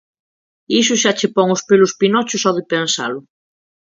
Iso xa che pon os pelos pinocho só de pensalo!